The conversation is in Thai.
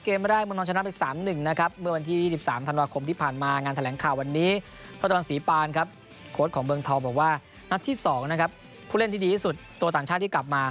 เกมแรกเมืองทองชนะไปที่สามหนึ่งนะครับ